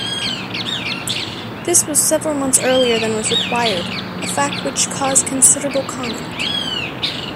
This was several months earlier than was required, a fact which caused considerable comment.